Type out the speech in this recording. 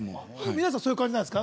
皆さんそういう感じなんですか？